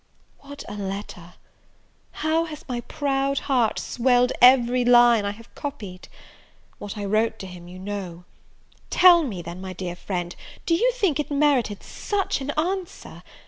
What a letter! how has my proud heart swelled every line I have copied! What I wrote to him you know; tell me, then, my dear friend, do you think it merited such an answer?